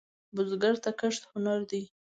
بزګر ته کښت هنر دی